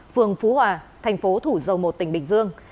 phường phú hòa thành phố thủ dầu một tỉnh bình dương